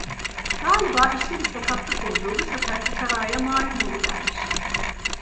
Galiba işte bir sakatlık olduğu bu sefer fıkaraya malum oluvermiş.